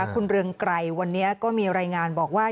คุณเรืองไกรวันนี้ก็มีรายงานบอกว่า